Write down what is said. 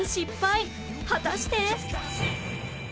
果たして